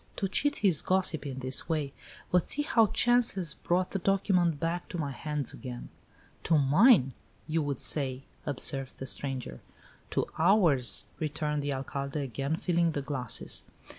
To cheat his gossip in this way! But see how chance has brought the document back to my hands again!" "To mine, you would say," observed the stranger. "To ours!" returned the Alcalde, again filling the glasses.